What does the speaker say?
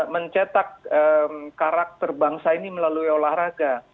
mencetak karakter bangsa ini melalui olahraga